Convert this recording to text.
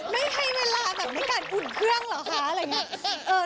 ไม่ให้เวลาแบบในการอุ่นเครื่องเหรอคะอะไรอย่างนี้